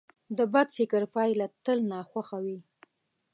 د بد فکر پایله تل ناخوښه وي.